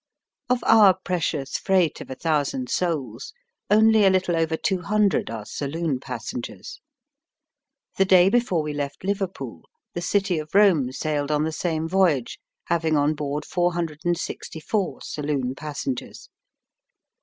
Of our precious freight of a thousand souls, only a Uttle over two hundred are saloon pas sengers. The day before we left Liverpool, the City of Borne sailed on the same voyage, having on board 464 saloon passengers.